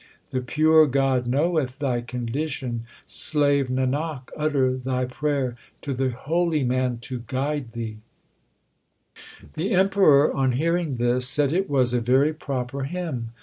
The pure God knoweth thy condition. Slave Nanak, utter thy prayer to the holy man to guide thee} The Emperor on hearing this said it was a very proper hymn.